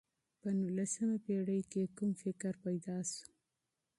په نولسمه پېړۍ کي کوم فکر پيدا سو؟